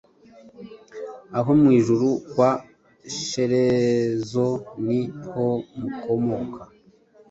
Aho mw'ijuru kwa Shyerezo ni ho mukomoka,